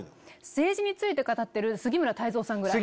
政治について語ってる杉村太蔵さんぐらい。